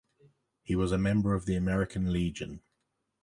He was a member of the American Legion.